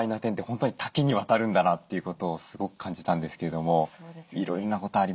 本当に多岐にわたるんだなということをすごく感じたんですけれどもいろいろなことありますね。